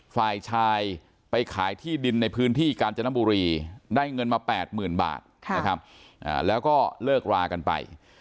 ฝ่ายชายไปขายที่ดินในพื้นที่กาญจนบุรีได้เงินมา๘๐๐๐บาทนะครับแล้วก็เลิกรากันไป